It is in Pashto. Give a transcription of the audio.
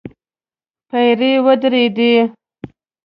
پيرې ودرېدې.